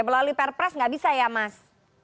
melalui pr press nggak bisa ya mas